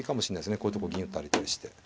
こういうとこ銀打ったりとかして。